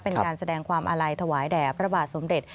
เป็นการแสดงความอาลัยถวายแด่พระบาทสมเด็จ